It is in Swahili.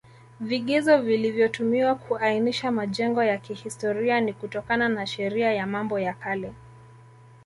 Vigezo vilivyotumiwa kuainisha majengo ya kihistoria ni kutokana na Sheria ya Mambo ya kale